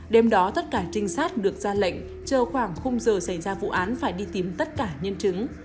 đêm đó tất cả trinh sát được ra lệnh chờ khoảng khung giờ xảy ra vụ án phải đi tìm tất cả nhân chứng